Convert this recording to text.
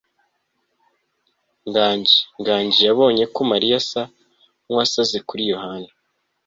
nganji] nganji yabonye ko mariya asa nkuwasaze kuri yohana